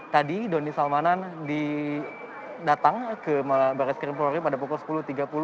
tadi doni salmanan datang ke baris krim polri pada pukul sepuluh tiga puluh